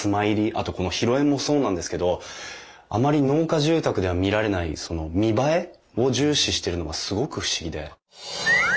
あとこの広縁もそうなんですけどあまり農家住宅では見られないその見栄えを重視してるのがすごく不思議で。